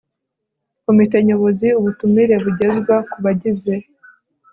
komite nyobozi ubutumire bugezwa ku bagize